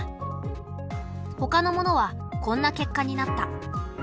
ほかのものはこんな結果になった。